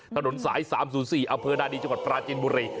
ถนนสาย๓๐๔อำเภอนาดีจังหวัดปราจินบุรี